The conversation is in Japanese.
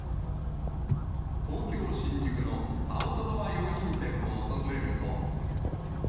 東京・新宿のアウトドア用品店を訪れると。